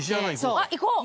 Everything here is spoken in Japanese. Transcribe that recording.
行こう。